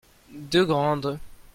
Deux grandes.